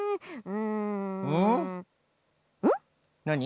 なに？